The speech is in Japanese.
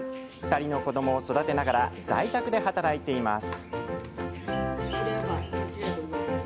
２人の子どもを育てながら在宅で働いています。